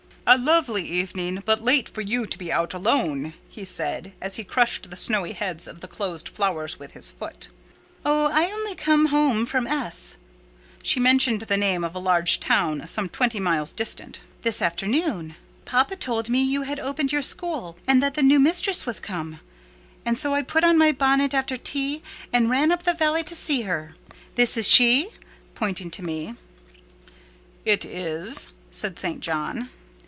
"A lovely evening, but late for you to be out alone," he said, as he crushed the snowy heads of the closed flowers with his foot. "Oh, I only came home from S——" (she mentioned the name of a large town some twenty miles distant) "this afternoon. Papa told me you had opened your school, and that the new mistress was come; and so I put on my bonnet after tea, and ran up the valley to see her: this is she?" pointing to me. "It is," said St. John.